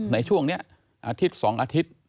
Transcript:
ในช่วงนี้อาทิตย์๒อาทิตย์